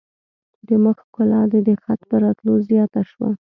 د مخ ښکلا دي د خط په راتلو زیاته شوه.